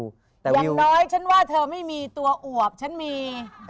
อย่างน้อยฉันว่าเธอไม่มีตัวอวบฉันมี